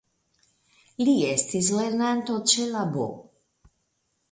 Li estis lernanto ĉe la "B.